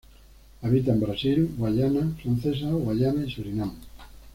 Habita en Brasil, Guayana Francesa, Guyana y Surinam.